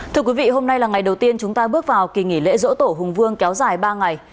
thưa quý vị hôm nay là ngày đầu tiên chúng ta bước vào kỳ nghỉ lễ dỗ tổ hùng vương kéo dài ba ngày